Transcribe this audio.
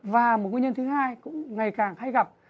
và một nguyên nhân thứ hai cũng ngày càng hay gặp